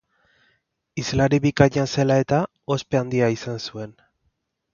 Hizlari bikaina zela eta, ospe handia izan zuen.